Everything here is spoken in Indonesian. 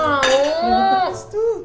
udah betres tuh